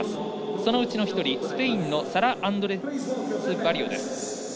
そのうちの１人、スペインのサラ・アンドレスバリオ。